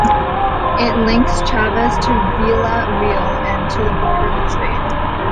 It links Chaves to Vila Real, and to the border with Spain.